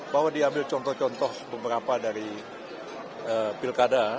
bahwa diambil contoh contoh beberapa dari pilkada